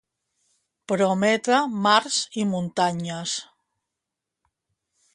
Prometre mars i muntanyes.